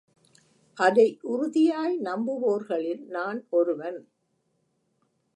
அதை உறுதியாய் நம்புவோர்களில் நான் ஒருவன்.